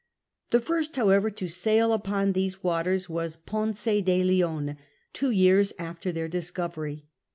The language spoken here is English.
The first, however, to s«ail uiion these waters was Ponce de Leon, two years after their discovery.